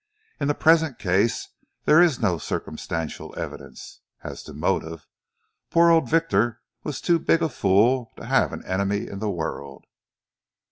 In the present case there is no circumstantial evidence, and as to motive, poor old Victor was too big a fool to have an enemy in the world."